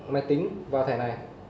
máy tính vào thẻ này